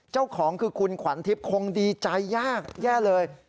เจ้าของคือคุณขวัญทิพย์คงดีใจยากแย่เลย